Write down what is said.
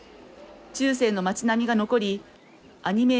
中世の街並みが残りアニメ